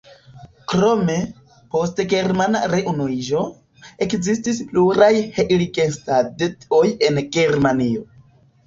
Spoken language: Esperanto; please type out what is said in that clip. Krome, post germana reunuiĝo, ekzistis pluraj Heiligenstadt-oj en Germanio.